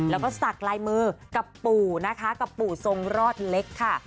แล้วก็สักลายมือกับปู่นะคะกับปู่ทรงรอดเล็กค่ะ